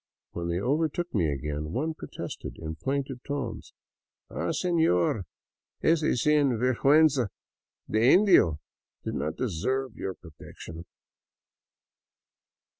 When they overtook me again, one protested in plaintive tones :" Ah, seilor, ese sinvergiienza de Indio did not deserve your pro tection."